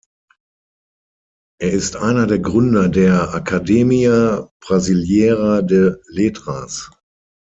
Er ist einer der Gründer der „Academia Brasileira de Letras“.